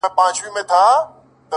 هغه سړی کلونه پس دی ـ راوتلی ښار ته ـ